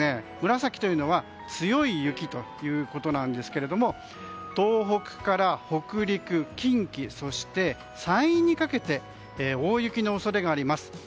紫というのが強い雪ということなんですが東北から北陸近畿や山陰にかけて大雪の恐れがあります。